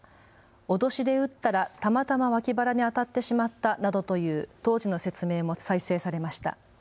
脅しで撃ったらたまたま脇腹に当たってしまったなどという当時の説明も再生されました。